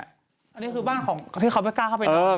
อันนี้คือบ้านของที่เขาไม่กล้าเข้าไปนะ